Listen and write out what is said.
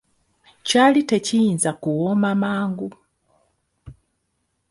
Kyali tekiyinza kuwoma mangu.